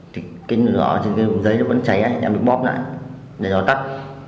thì cái giấy nó vẫn cháy em bóp lại để nó tắt